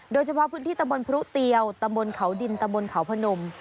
โดยเฉพาะพื้นที่ตำบลพรุเตียวตำบลเขาดินตะบนเขาพนม